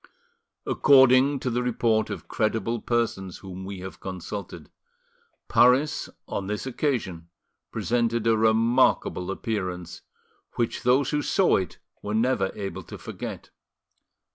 According to the report of credible persons whom we have consulted, Paris on this occasion presented a remarkable appearance, which those who saw it were never able to forget.